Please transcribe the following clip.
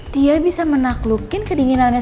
dia bisa menaklukin kedinginannya